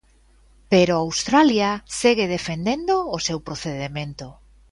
Pero Australia segue defendendo o seu procedemento.